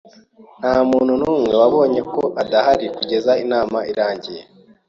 Ntamuntu numwe wabonye ko adahari kugeza inama irangiye.